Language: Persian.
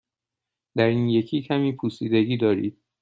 در این یکی کمی پوسیدگی دارید.